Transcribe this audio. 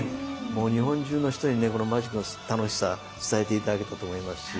もう日本中の人にねこのマジックの楽しさ伝えて頂けたと思いますし。